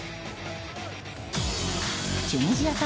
チュニジア対